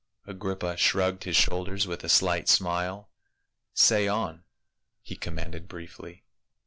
Agrippa shrugged his shoulders with a slight smile. "Say on," he commanded briefly.